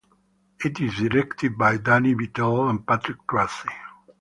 It is directed by Dani Vitale and Patrick Tracey.